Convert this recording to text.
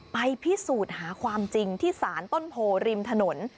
ไปพิสูจน์หาความจริงที่สารต้นโพริมถนน